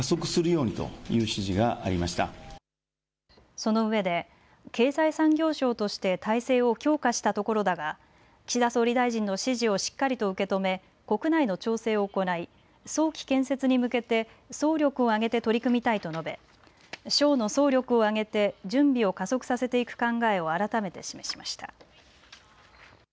そのうえで経済産業省として体制を強化したところだが岸田総理大臣の指示をしっかりと受け止め国内の調整を行い早期建設に向けて総力を挙げて取り組みたいと述べ省の総力を挙げて準備を加速させていく考えを改めて示しました。